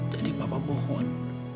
jadi papa mohon